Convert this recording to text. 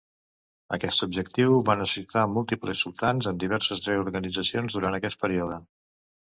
Aquest objectiu va necessitar múltiples sultans amb diverses reorganitzacions durant aquest període.